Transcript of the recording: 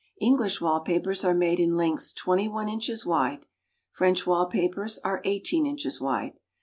English wall papers are made in lengths 21 inches wide. French wall papers are 18 inches wide.